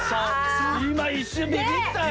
今一瞬ビビったよ。